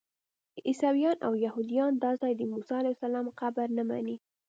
عیسویان او یهودیان دا ځای د موسی علیه السلام قبر نه مني.